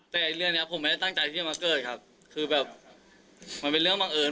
แต่เรื่องเนี้ยผมไม่ได้ตั้งใจที่จะมาเกิดครับคือแบบมันเป็นเรื่องบังเอิญ